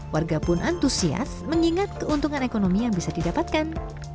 warga pun antusias mengingat keuntungan ekonomi yang bisa didapatkan